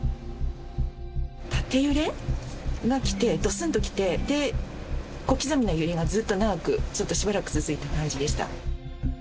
縦揺れが来て、どすんと来て、で、小刻みな揺れがずっと長くずっとしばらく続いた感じでした。